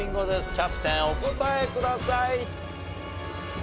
キャプテンお答えください。